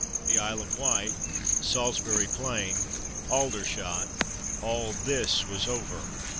The Isle of Wight, Salisbury Plain, Aldershot, all this was over.